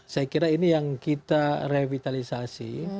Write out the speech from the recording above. saya kira ini yang kita revitalisasi